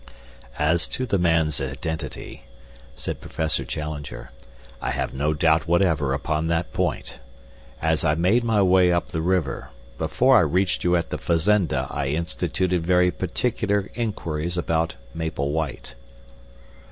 "As to the man's identity," said Professor Challenger, "I have no doubt whatever upon that point. As I made my way up the river before I reached you at the fazenda I instituted very particular inquiries about Maple White.